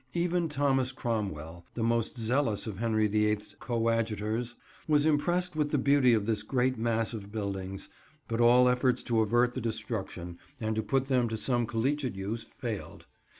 Even Thomas Cromwell, the most zealous of Henry the Eighth's coadjutors, was impressed with the beauty of this great mass of buildings; but all efforts to avert the destruction, and to put them to some collegiate use, failed.